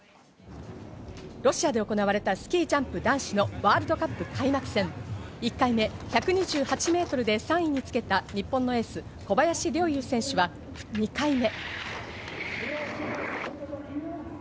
ロシアで行われたスキージャンプ男子のワールドカップ開幕戦、１回目、１２８ｍで３位につけた日本のエース・小林陸侑選手は２回目。